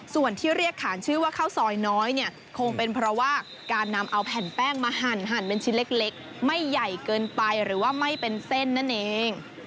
ส่วนที่เรียกขานชื่อว่าข้าวซอยน้อยเนี่ยคงเป็นเพราะว่าการนำเอาแผ่นแป้งมาหั่นเป็นชิ้นเล็กไม่ใหญ่เกินไปหรือว่าไม่เป็นเส้นนั่นเอง